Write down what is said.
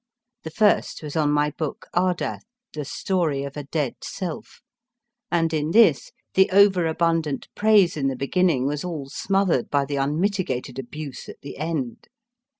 The first was on my book Ardath : The Story of a Dead Self, and in this the over abundant praise in the beginning was all smothered by the unmitigated abuse at the end.